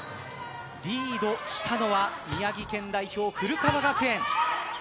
リードしたのは宮城県代表・古川学園。